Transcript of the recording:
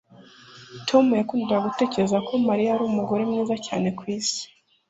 Tom yakundaga gutekereza ko Mariya ari umugore mwiza cyane kwisi